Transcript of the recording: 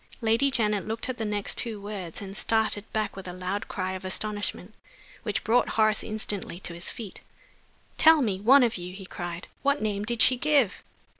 Lady Janet looked at the next two words, and started back with a loud cry of astonishment, which brought Horace instantly to his feet. "Tell me, one of you!" he cried. "What name did she give?"